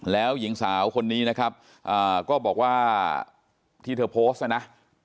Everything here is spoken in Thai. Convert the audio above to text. แล้วหญิงสาวคนนี้นะครับก็บอกว่าที่เธอโพสต์นะนะ